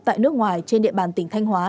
tại nước ngoài trên địa bàn tỉnh thanh hóa